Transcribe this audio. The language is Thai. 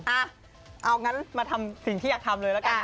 อ่ะเอางั้นมาทำสิ่งที่อยากทำเลยละกัน